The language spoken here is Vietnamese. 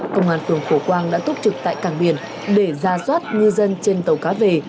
công an phường phổ quang đã túc trực tại cảng biển để ra soát ngư dân trên tàu cá về